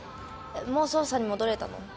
もう捜査に戻れたの？